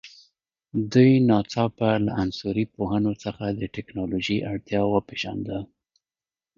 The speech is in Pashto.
دوی ناڅاپه له عصري پوهنو څخه د تکنالوژي اړتیا وپېژانده.